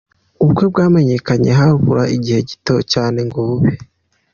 Ubukwe bwamenyekanye habura igihe gito cyane ngo bube.